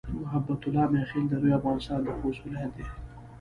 محبت الله "میاخېل" د لوی افغانستان د خوست ولایت دی.